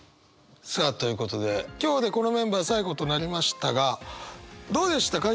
さあということで今日でこのメンバー最後となりましたがどうでしたか？